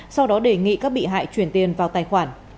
sau đó đề nghị các bị hại chuyển tiền vào tài khoản